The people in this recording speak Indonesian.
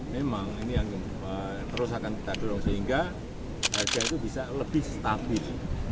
memang ini yang terus akan kita dorong sehingga harga itu bisa lebih stabil